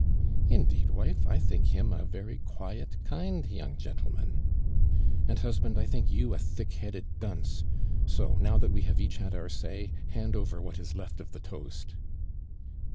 " Indeed, wife, 1 think him a very quiet, kind young gentleman." " And, husband, I think you a thick head ed dunce, so, now that we have each had our say. handover what is left of the toast."